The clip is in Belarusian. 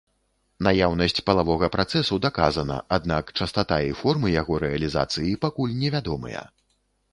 Наяўнасць палавога працэсу даказана, аднак частата і формы яго рэалізацыі пакуль невядомыя.